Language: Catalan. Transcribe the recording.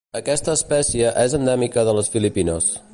Aquesta espècie és endèmica de les Filipines.